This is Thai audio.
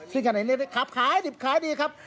ซึ่งขณะเล่นได้ครับขายดิบขายดีครับ